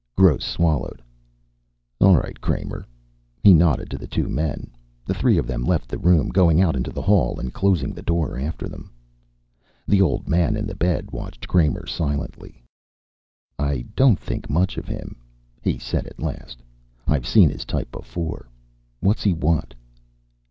Gross swallowed. "All right, Kramer." He nodded to the two men. The three of them left the room, going out into the hall and closing the door after them. The old man in the bed watched Kramer silently. "I don't think much of him," he said at last. "I've seen his type before. What's he want?"